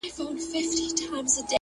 په لړزه يې سوه لكۍ او اندامونه!.